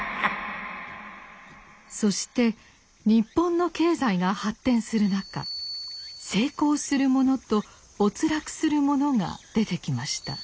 そして日本の経済が発展する中成功する者と没落する者が出てきました。